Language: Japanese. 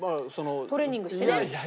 トレーニングしてね。